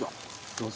どうぞ。